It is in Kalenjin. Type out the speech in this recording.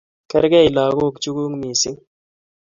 Kergei lagok chu kuk missing'